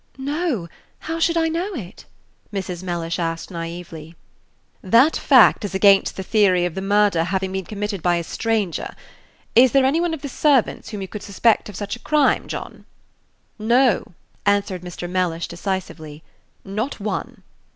"No; how should I know it?" Mrs. Mellish asked, naively. "That fact is against the theory of the murder having been committed by a stranger. Is there any one of the servants whom you could suspect of such a crime, John?" "No," answered Mr. Mellish, decisively, "not one."